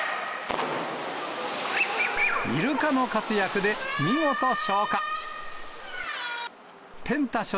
イルカの活躍で見事消火。